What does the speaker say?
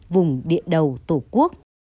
vùng địa đầu tổ quốc